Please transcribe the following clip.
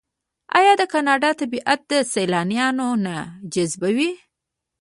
آیا د کاناډا طبیعت سیلانیان نه جذبوي؟